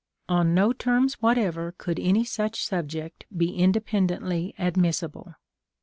On no terms whatever could any such subject be independently admissible.